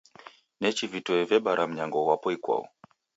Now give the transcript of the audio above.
Nechi vitoi vebara mnyango ghwapo ikwau.